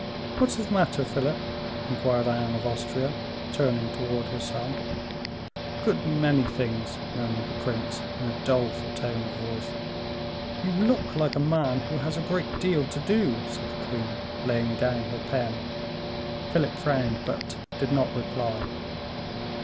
"What is the matter, Philip?" inquired Anne of Austria, turning towards her son. "A good many things," murmured the prince, in a doleful tone of voice. "You look like a man who has a great deal to do," said the queen, laying down her pen. Philip frowned, but did not reply.